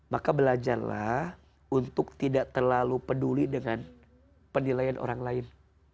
maka belajarlah untuk tidak terlalu peduli dengan penilaian orang lain